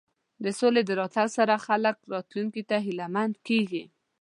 د سولې په راتګ سره خلک راتلونکي ته هیله مند کېږي.